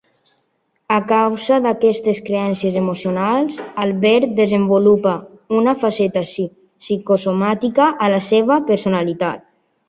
A causa d'aquestes carències emocionals, Albert desenvolupà una faceta psicosomàtica a la seva personalitat.